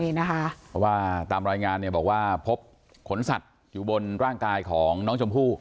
เพราะว่าตามรายงานเนี่ยบอกว่าพบขนสัตว์อยู่บนร่างกายของน้องชมพู่